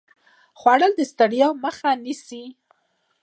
خوړل د ستړیا مخه نیسي